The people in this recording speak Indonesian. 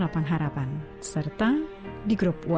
leman di spend wrong